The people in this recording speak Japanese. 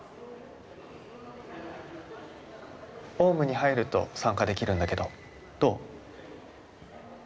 オウムに入ると参加できるんだけどどう？